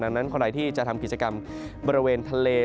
ดังนั้นใครที่จะทำกิจกรรมบริเวณทะเล